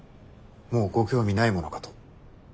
もうご興味ないものかと。